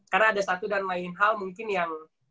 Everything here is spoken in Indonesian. karena ada satu dan lain hal mungkin yang